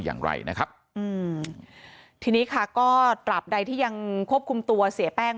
อย่างไรนะครับอืมทีนี้ค่ะก็ตราบใดที่ยังควบคุมตัวเสียแป้ง